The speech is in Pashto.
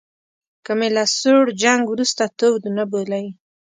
که مې له سوړ جنګ وروسته تود نه بولئ.